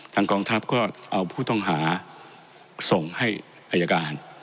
กองทัพก็เอาผู้ต้องหาส่งให้อายการ